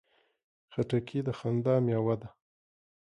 خټکی د خندا مېوه ده.